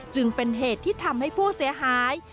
จึงเป็นเหตุที่ทำให้ผู้เสียหาย